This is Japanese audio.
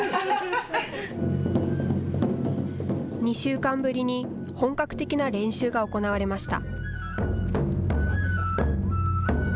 ２週間ぶりに本格的な練習が行われました。